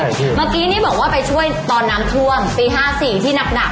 เมื่อกี้นี่บอกว่าไปช่วยตอนน้ำท่วมปี๕๔ที่หนัก